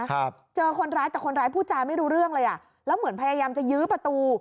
ครับเจอคนร้ายแต่คนร้ายพูดจาไม่รู้เรื่องเลยอ่ะแล้วเหมือนพยายามจะยื้อประตู